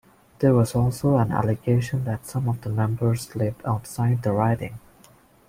There was also an allegation that some of the members lived outside the riding.